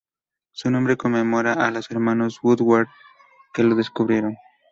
Su nombre conmemora a los hermanos Woodward que lo descubrieron.